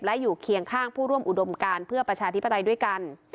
และอยู่เคียงข้างผู้ร่วมอุดมการเพื่อประชาธิปไตยด้วยกัน